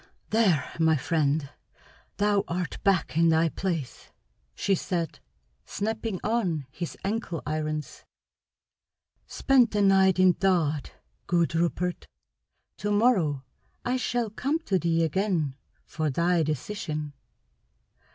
"There, my friend, thou art back in thy place!" she said, snapping on his ankle irons. "Spend the night in thought, good Rupert. To morrow I shall come to thee again for thy decision.